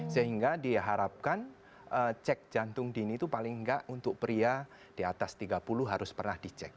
sehingga diharapkan cek jantung dini itu paling enggak untuk pria di atas tiga puluh harus pernah dicek